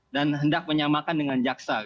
dan hendak menyamakan dengan jaksa